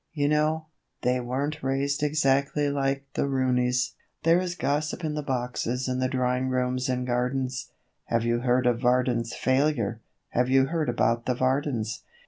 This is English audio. You know, they weren't raised exactly like the Rooneys! There is gossip in the 'boxes' and the drawing rooms and gardens 'Have you heard of Varden's failure? Have you heard about the Vardens?